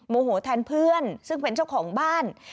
โมโหแทนเพื่อนซึ่งเป็นเจ้าของบ้าน